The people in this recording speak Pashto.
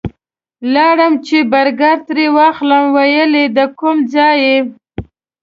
لاړم چې برګر ترې واخلم ویل یې د کوم ځای یې؟